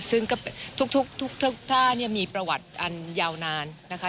ซึ่งก็ทุกท่าเนี่ยมีประวัติอันยาวนานนะคะ